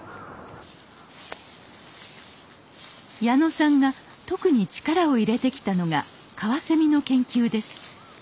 矢野さんが特に力を入れてきたのがカワセミの研究です。